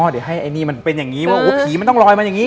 เดี๋ยวให้ไอ้นี่มันเป็นอย่างนี้ว่าผีมันต้องลอยมาอย่างนี้